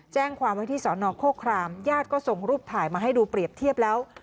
แจ้งความไว้ที่สอนอโฆครามญาติก็ส่งรูปถ่ายมาให้ดูเปรียบเทียบแล้ว